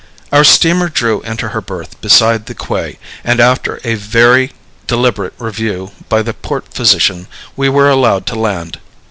Our steamer drew into her berth beside the quay, and after a very deliberate review by the port physician we were allowed to land.